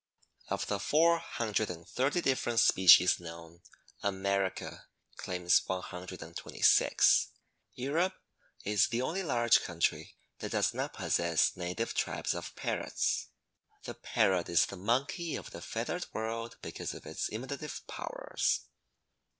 Of the four hundred and thirty different species known, America claims one hundred and twenty six. Europe is the only large country that does not possess native tribes of parrots. The parrot is the monkey of the feathered world, because of his imitative powers.